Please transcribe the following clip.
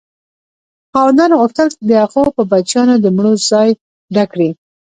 خاوندانو غوښتل د هغو په بچیانو د مړو ځای ډک کړي.